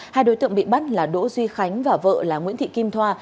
hai đối tượng bị bắt là đỗ duy khánh và vợ là nguyễn thị kim thoa